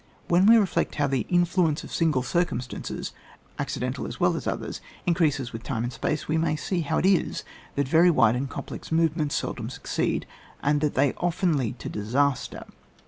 When we reflect how the influ ence of single circumstances (accidental as well as others) increases with time and space, we may see how it is that very wide and complex movements seldom succeed, and that they often lead to disaster.